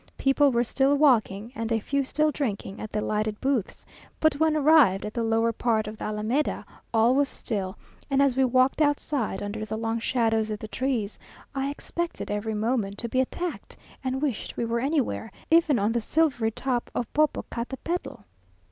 People were still walking, and a few still drinking at the lighted booths; but when arrived at the lower part of the Alameda, all was still, and as we walked outside, under the long shadows of the trees, I expected every moment to be attacked, and wished we were anywhere, even on the silvery top of Popocatepetl!